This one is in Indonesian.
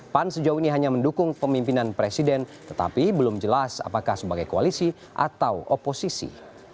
pan sejauh ini hanya mendukung pemimpinan presiden tetapi belum jelas apakah sebagai koalisi atau oposisi